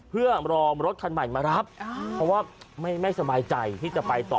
เพื่อรอรถคันใหม่มารับเพราะว่าไม่สบายใจที่จะไปต่อ